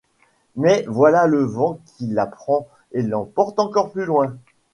Mais voilà le vent qui la prend et l’emporte encore plus loin.